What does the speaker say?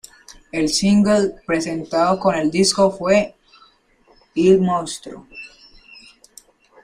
El single presentado con el disco fue "Il mostro".